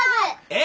え。